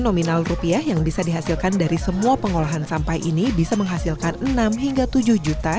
nominal rupiah yang bisa dihasilkan dari semua pengolahan sampah ini bisa menghasilkan enam hingga tujuh juta